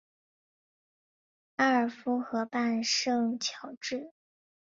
埃尔夫河畔圣乔治。